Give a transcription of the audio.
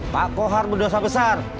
pak kohar berdosa besar